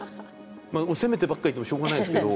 責めてばっかりいてもしょうがないんですけど。